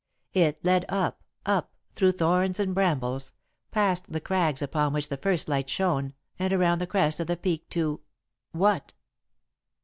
It led up, up, through thorns and brambles, past the crags upon which the first light shone, and around the crest of the peak to what?